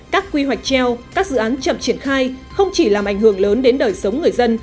các quy hoạch treo các dự án chậm triển khai không chỉ làm ảnh hưởng lớn đến đời sống người dân